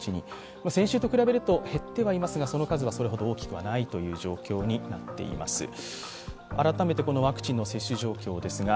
先週と比べると減ってはいますがその数はそれほど大きくはないという状況になっています。